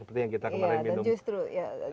seperti yang kita kemarin minum